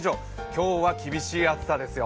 今日は厳しい暑さですよ。